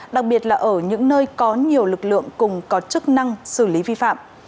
đặc biệt là ở những nơi có nhiều lực lượng cùng có chức năng xử lý vi phạm